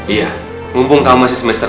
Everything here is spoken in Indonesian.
iya mumpung kamu masih semester